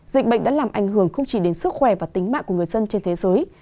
dịch bệnh đã làm ảnh hưởng không chỉ đến sức khỏe và tính mạng của người dân trên thế giới